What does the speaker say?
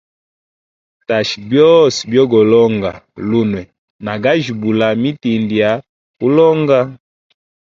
Tasha byose byo go longa lunwe, na gajibula mitindi ya ulonga.